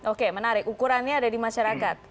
oke menarik ukurannya ada di masyarakat